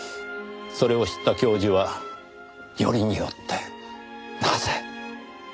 それを知った教授はよりによってなぜ？と言ったそうです。